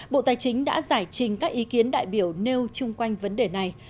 bộ tài chính đã giải trình các ý kiến đại biểu nêu chung quanh vấn đề này